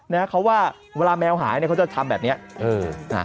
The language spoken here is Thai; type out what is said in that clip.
นะเขาว่าเวลาแมวหายเนี่ยเขาจะทำแบบเนี้ยเอออ่า